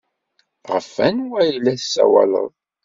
Ɣef wanwa ay la tessawaleḍ?